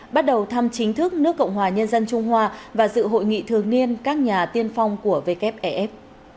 bắt đầu thăm chính thức nước cộng hòa nhân dân trung hoa và dự hội nghị thường niên các nhà tiên phong của wfef